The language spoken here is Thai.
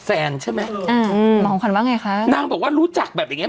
แฟนใช่ไหมอ่าอืมหมอของขวัญว่าไงคะนางบอกว่ารู้จักแบบอย่างเงี